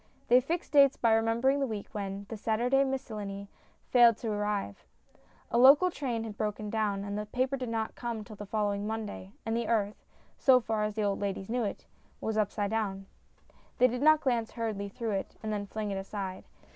They fixed dates by remembering the week when The Sunday Miscellany failed to arrive ; a local train had broken down, and the paper did not come till the following Monday, and the earth so far as the old ladies knew it was up side down. They did not glance hurriedly through it and then fling it aside.